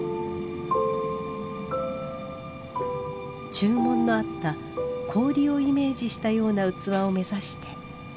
注文のあった氷をイメージしたような器を目指して。